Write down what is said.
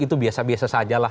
itu biasa biasa saja lah